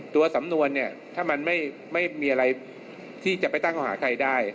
ตัวสำนวนเนี่ยถ้ามันไม่มีอะไรที่จะไปตั้งเขาหาใครได้